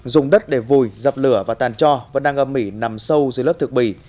dùng đất để vùi dập lửa và tàn cho vẫn đang âm mỉ nằm sâu dưới lớp thực bì